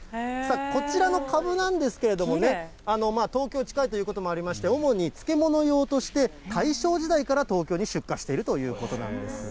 こちらのかぶなんですけれどもね、東京近いということもありまして、主に漬物用として大正時代から東京に出荷しているということなんです。